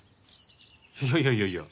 いやいやいやいや